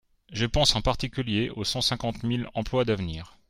Je pense en particulier aux cent cinquante mille emplois d’avenir.